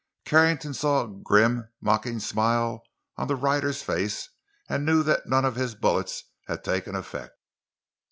Carrington saw a grim, mocking smile on the rider's face, and knew none of his bullets had taken effect.